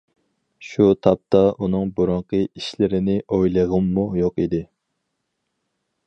شۇ تاپتا ئۇنىڭ بۇرۇنقى ئىشلىرىنى ئويلىغۇممۇ يوق ئىدى.